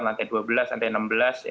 lantai dua belas sampai enam belas